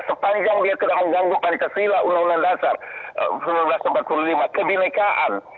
sepanjang dia tidak mengganggu pancasila undang undang dasar seribu sembilan ratus empat puluh lima kebinekaan